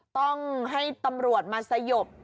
ต้องให้ตำรวจมาสยบ